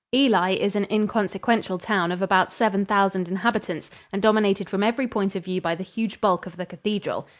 Ely is an inconsequential town of about seven thousand inhabitants and dominated from every point of view by the huge bulk of the cathedral.